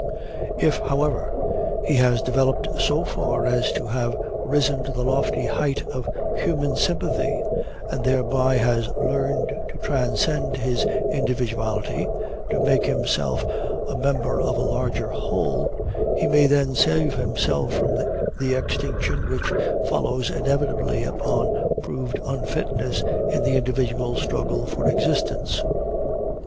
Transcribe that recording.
If, however, he has developed so far as to have risen to the lofty height of human sympathy, and thereby has learned to transcend his individuality and to make himself a member of a larger whole, he may then save himself from the extinction which follows inevitably upon proved unfitness in the individual struggle for existence.